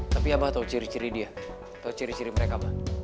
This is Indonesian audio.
tapi abah tau ciri ciri dia tau ciri ciri mereka apa